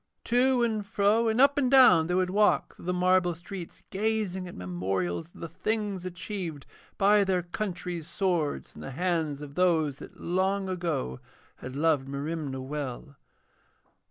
To and fro and up and down they would walk through the marble streets, gazing at memorials of the things achieved by their country's swords in the hands of those that long ago had loved Merimna well.